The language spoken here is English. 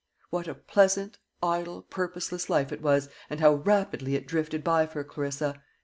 What a pleasant, idle, purposeless life it was, and how rapidly it drifted by for Clarissa!